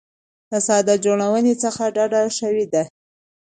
له ساده جوړونې څخه ډډه شوې ده.